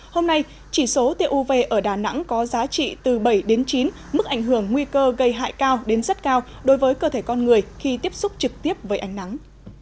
hôm nay chỉ số tiêu uv ở đà nẵng có giá trị từ bảy đến chín mức ảnh hưởng nguy cơ gây hại cao đến rất cao đối với cơ thể con người khi tiếp xúc trực tiếp với ánh nắng